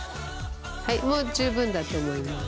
はいもう十分だと思います。